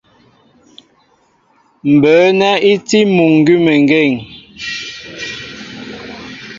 Mbə̌ nɛ́ i tí muŋ gʉ́meŋgên.